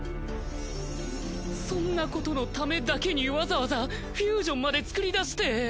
そんなことのためだけにわざわざフュージョンまで作り出して。